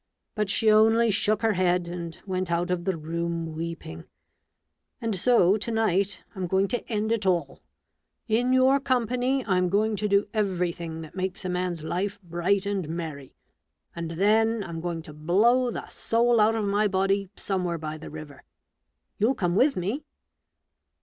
But she only shook her head, and went out of the room weeping. And so to night I'm going to end it all ! In your company I'm going to do every 102 A BOOK OF BARGAINS, thing that makes a man's life bright and merry ; and then I'm going to blow the soul out of my body somewhere by the river. — You'll come with me?"